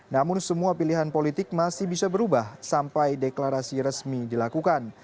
namun semua pilihan politik masih bisa berubah sampai deklarasi resmi dilakukan